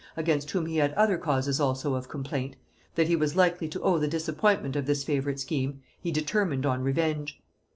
against whom he had other causes also of complaint, that he was likely to owe the disappointment of this favourite scheme, he determined on revenge.